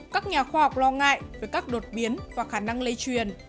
các nhà khoa học lo ngại về các đột biến và khả năng lây truyền